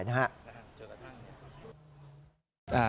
ซึ่งมีสิุดการยำมาละ